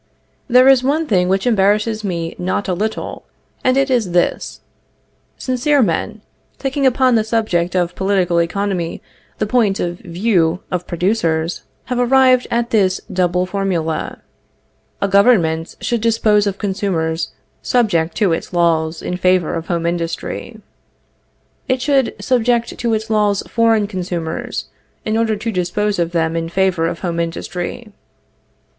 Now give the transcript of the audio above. There is one thing which embarrasses me not a little; and it is this: Sincere men, taking upon the subject of political economy the point of view of producers, have arrived at this double formula: "A government should dispose of consumers subject to its laws in favor of home industry." "It should subject to its laws foreign consumers, in order to dispose of them in favor of home industry."